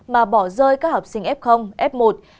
mà bỏ rơi các học sinh f f một